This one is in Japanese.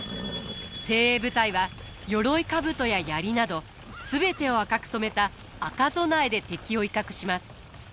精鋭部隊は鎧兜や槍など全てを赤く染めた赤備えで敵を威嚇します。